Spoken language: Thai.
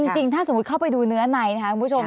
จริงถ้าสมมุติเข้าไปดูเนื้อในนะคะคุณผู้ชม